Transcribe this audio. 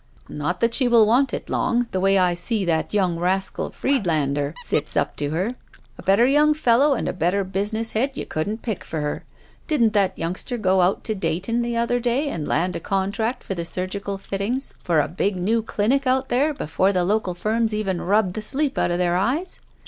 "Not that she will want it long, the way I see i8 SHE WALKS IN BEAUTY that young rascal Friedlander sits up to her. A better young fellow and a better business head you couldn't pick for her. Didn't that youngster go out to Dayton the other day and land a contract for the surgical fittings for a big new clinic out there before the local firms even rubbed the sleep out of their eyes?